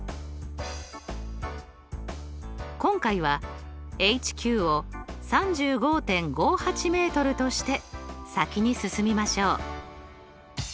今回はＨＱを３５．５８ｍとして先に進みましょう。